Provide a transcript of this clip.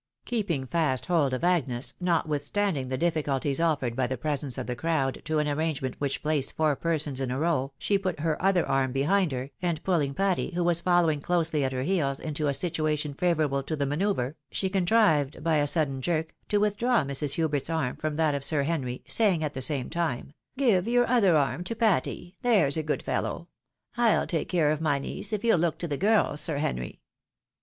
Keeping fast hold of Agues, notwithstanding the difiioulties offered by the presence of the crowd to an arrangement which placed four persons in a row, she put her other arm behind her, and pulling Patty, who was following closely at her heels, into a situation favourable to the manoeuvre, she contrived by a sudden jerk to withdraw Mrs. Hubart's arm from that of Sir Henry, saying at the same time, " Give yom" other arm to Patty — there's a good fellow ; I'll take care of my niece, if you'll look to the girls. Sir Henry."